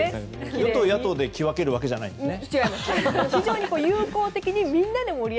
与党野党で着分けるわけではないんですね。